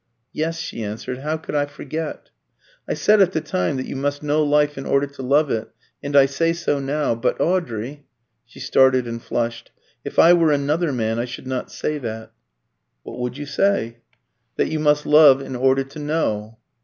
"Yes," she answered; "how could I forget?" "I said at the time that you must know life in order to love it, and I say so now. But, Audrey" she started and flushed "if I were another man I should not say that." "What would you say?" "That you must love in order to know."